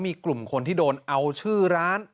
มีกลุ่มคนที่โดนเอาชื่อร้าน